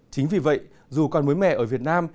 chính vì vậy dù còn mới mẻ ở việt nam